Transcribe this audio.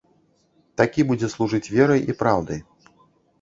Такі будзе служыць верай і праўдай.